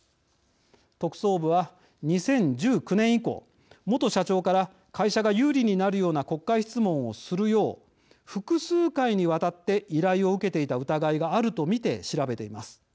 特捜部は、２０１９年以降元社長から会社が有利になるような国会質問をするよう複数回にわたって依頼を受けていた疑いがあると見て調べています。